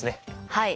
はい。